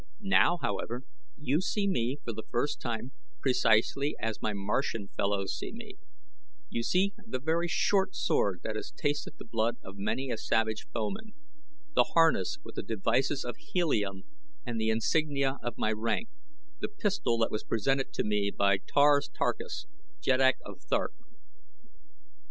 Now, however, you see me for the first time precisely as my Martian fellows see me you see the very short sword that has tasted the blood of many a savage foeman; the harness with the devices of Helium and the insignia of my rank; the pistol that was presented to me by Tars Tarkas, Jeddak of Thark.